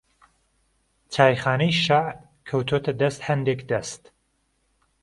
چایخانەی شەعب کەوتۆتە دەست ھەندێک دەست